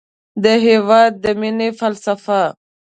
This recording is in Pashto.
د هېواد د مینې فلسفه